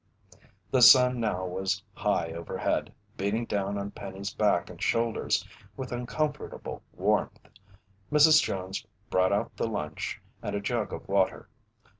The sun now was high overhead, beating down on Penny's back and shoulders with uncomfortable warmth. Mrs. Jones brought out the lunch and a jug of water.